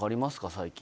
最近。